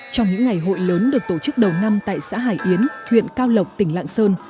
trong những ngày hội lớn được tổ chức đầu năm tại xã hải yến huyện cao lộc tỉnh lạng sơn